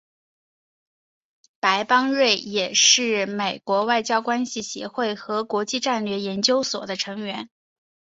白邦瑞也是美国外交关系协会和国际战略研究所的成员。